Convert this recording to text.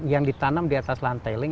yang ditanam di atas lantai teling